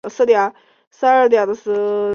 县莅位于东兴市镇。